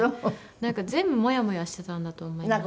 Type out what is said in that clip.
なんか全部モヤモヤしてたんだと思います。